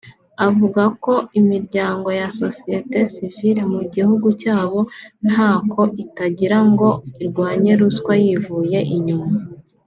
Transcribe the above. Avuga ko imiryango ya Sosiyete sivile mu gihugu cyabo ntako itagira ngo irwanye ruswa yivuye inyuma